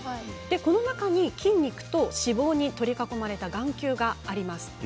この中に筋肉と脂肪に取り囲まれた眼球があります。